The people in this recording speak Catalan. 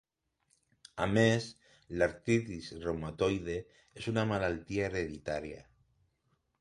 A més, l'artritis reumatoide és una malaltia hereditària.